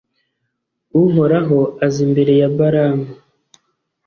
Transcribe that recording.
uhoraho aza imbere ya balamu.